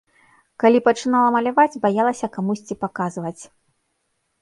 Калі пачынала маляваць, баялася камусьці паказваць.